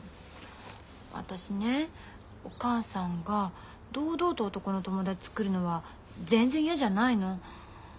私ねお母さんが堂々と男の友達つくるのは全然嫌じゃないの。